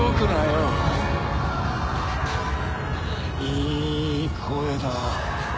いい声だ。